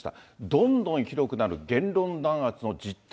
どんどんひどくなる言論弾圧の実態。